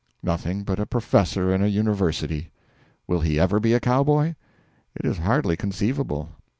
Nothing but a professor in a university. Will he ever be a cowboy? It is hardly conceivable.